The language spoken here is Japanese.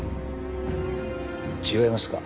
違いますか？